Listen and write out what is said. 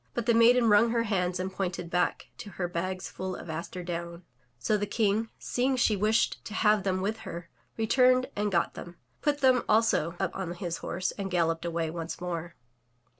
But the maiden wrung her hands and pointed back to her bags full of aster down. So the King, seeing she wished 366 THROUGH FAIRY HALLS to have them with her, returned and got them, put them also up on his horse and galloped away once more.